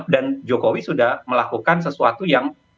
dan jokowi sudah melakukan sesuatu yang